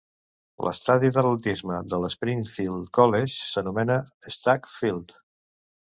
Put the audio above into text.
L'estadi d'atletisme del Springfield College s'anomena Stagg Field.